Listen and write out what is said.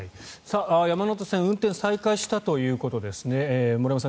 山手線運転再開したということです。